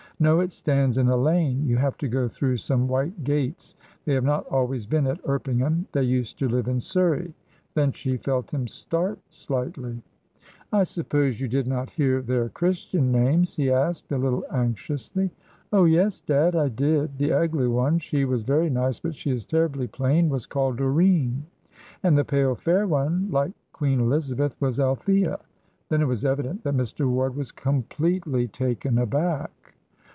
"No; it stands in a lane. You have to go through some white gates. They have not always been at Erpingham; they used to live in Surrey." Then she felt him start slightly. "I suppose you did not hear their Christian names?" he asked a little anxiously. "Oh yes, dad, I did. The ugly one she was very nice, but she is terribly plain was called Doreen; and the pale, fair one, like Queen Elizabeth, was Althea." Then it was evident that Mr. Ward was completely taken aback.